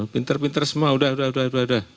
pinter pinter semua udah